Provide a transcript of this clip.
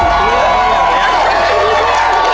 ดีเนี่ย